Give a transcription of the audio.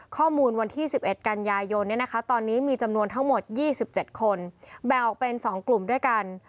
วันที่๑๑กันยายนตอนนี้มีจำนวนทั้งหมด๒๗คนแบ่งออกเป็น๒กลุ่มด้วยกัน